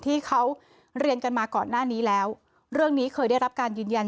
ที่เขาเรียนกันมาก่อนหน้านี้แล้วเรื่องนี้เคยได้รับการยืนยัน